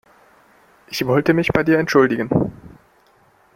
Ich wollte mich bei dir entschuldigen.